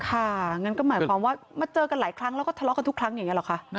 งั้นก็หมายความว่ามาเจอกันหลายครั้งแล้วก็ทะเลาะกันทุกครั้งอย่างนี้หรอคะ